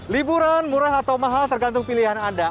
liburan murah atau mahal tergantung pilihan anda